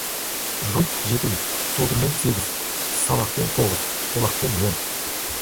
Жұт жетеу, содырмен сегіз, салақпен тоғыз, олақпен он.